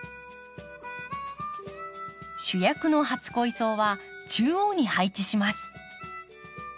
主役の初恋草は中央に配置します。